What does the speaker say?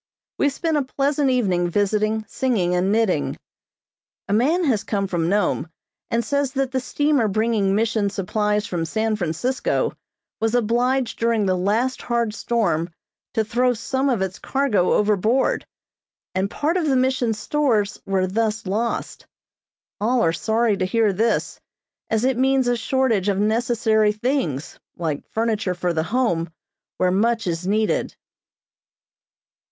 We spent a pleasant evening visiting, singing and knitting. A man has come from Nome, and says that the steamer bringing Mission supplies from San Francisco was obliged during the last hard storm to throw some of its cargo overboard, and part of the Mission's stores were thus lost. All are sorry to hear this, as it means a shortage of necessary things, like furniture for the Home, where much is needed.